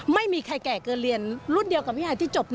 ไม่มีใครแก่เกินเรียนรุ่นเดียวกับพี่หายที่จบ